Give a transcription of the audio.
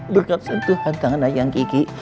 dekat sentuhkan tangan ayang gigi